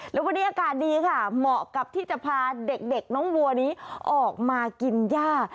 แล้ววันนี้อากาศดีค่ะเหมาะกับที่จะพาเด็กน้องวัวนี้ออกมากินย่า